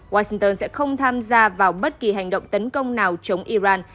washington sẽ không tham gia vào bất kỳ hành động tấn công nào chống iran